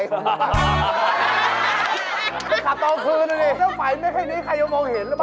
กำลังขับตอนคืนอ่ะเนี่ยจะไฝไม่ได้ใครมองเห็นละบ้า